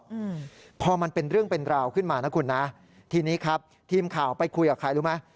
อืมพอมันเป็นเรื่องเป็นราวขึ้นมานะคุณนะทีนี้ครับทีมข่าวไปคุยกับใครรู้ไหม